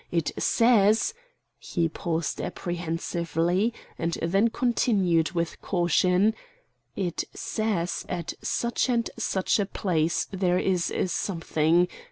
It says," he paused apprehensively, and then continued with caution, "it says at such and such a place there is a something.